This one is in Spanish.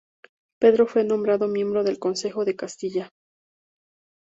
Pedro fue nombrado miembro del Consejo de Castilla.